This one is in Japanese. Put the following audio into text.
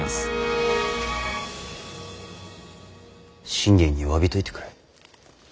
信玄に詫びといてくれ。